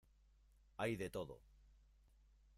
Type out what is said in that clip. hay de todo.